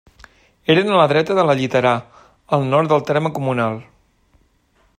Eren a la dreta de la Lliterà, al nord del terme comunal.